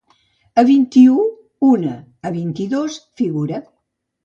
A vint-i-u, una; a vint-i-dos, figura.